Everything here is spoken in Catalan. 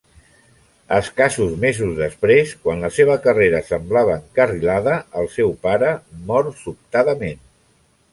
Escassos mesos després, quan la seva carrera semblava encarrilada, el seu pare mor sobtadament.